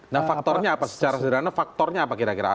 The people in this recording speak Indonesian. nah faktornya apa secara sederhana faktornya apa kira kira